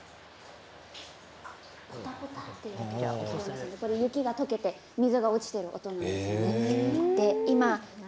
ポタポタという音は雪がとけて水が落ちている音なんです。